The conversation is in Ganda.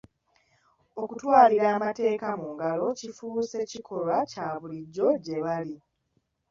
Okutwalira amateeka mu ngalo kifuuse kikolwa kya bulijjo gye bali.